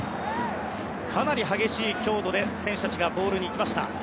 かなり激しい強度で選手たちがボールにいきました。